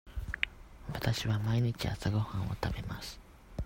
わたしは毎日朝ごはんを食べます。